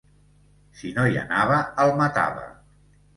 Si no hi anava el matava.